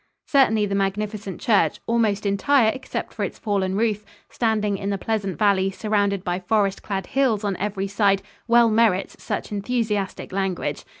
Certainly the magnificent church almost entire except for its fallen roof standing in the pleasant valley surrounded by forest clad hills on every side, well merits such enthusiastic language.